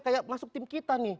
kayak masuk tim kita nih